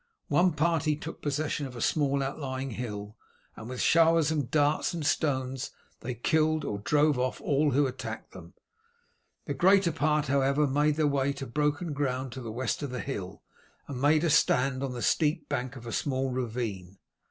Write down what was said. One party took possession of a small outlying hill, and with showers of darts and stones they killed or drove off all who attacked them. The greater part, however, made their way to broken ground to the west of the hill, and made a stand on the steep bank of a small ravine.